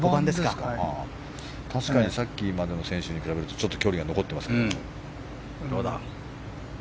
確かにさっきまでの選手に比べるとちょっと距離が残ってますね。